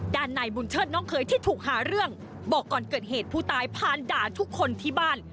ด้านนายบุญเชิดน้องเคยที่ถูกหาเรื่องบอกก่อนเกิดเหตุผู้ตายผ่านด่าทุกคนที่บ้าน